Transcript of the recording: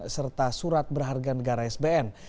serta surat berharga negara sbn